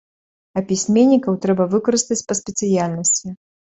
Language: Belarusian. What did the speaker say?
А пісьменнікаў трэба выкарыстаць па спецыяльнасці.